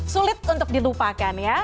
sulit untuk dilupakan ya